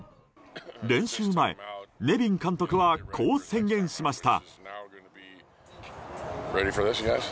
練習前、ネビン監督はこう宣言しました。